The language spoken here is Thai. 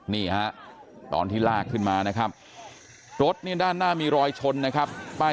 นี่ฮะตอนที่ลากขึ้นมานะครับรถนี่ด้านหน้ามีรอยชนนะครับป้าย